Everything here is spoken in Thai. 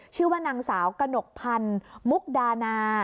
ชื่อว่านางสาวกรกภันฑ์มุ้คดานะ